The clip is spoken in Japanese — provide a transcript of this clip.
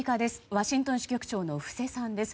ワシントン支局長の布施さんです。